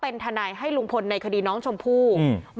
เป็นทนายให้ลุงพลในคดีน้องชมพู่อืม